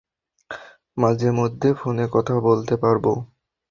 মাঝেমধ্যে ফোনে কথা বলতে পারব।